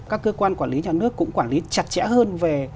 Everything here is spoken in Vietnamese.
các cơ quan quản lý nhà nước cũng quản lý chặt chẽ hơn